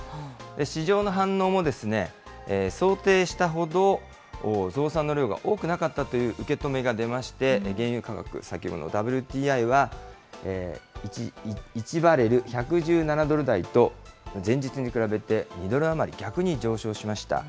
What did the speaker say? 市場の反応も想定したほど増産の量が多くなかったという受け止めが出まして、原油価格、先物ＷＴＩは、１バレル１１７ドル台と、前日に比べて２ドル余り、逆に上昇しました。